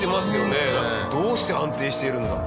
どうして安定しているんだ。